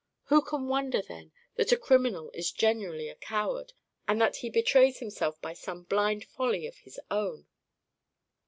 Who can wonder, then, that a criminal is generally a coward, and that he betrays himself by some blind folly of his own?"